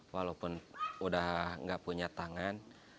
saya sudah enggak punya tangan